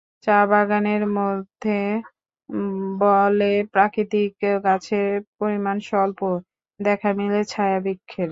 চা বাগানের মধ্যে বলে প্রাকৃতিক গাছের পরিমাণ স্বল্প; দেখা মেলে ছায়া বৃক্ষের।